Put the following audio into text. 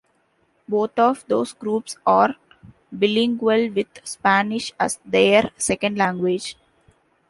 Both of those groups are bilingual with Spanish as their second language.